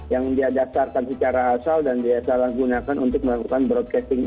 yang dia daftarkan secara asal dan dia salah gunakan untuk melakukan broadcasting